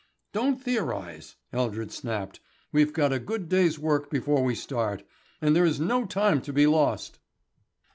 "Don't theorise," Eldred snapped. "We've got a good day's work before we start. And there is no time to be lost."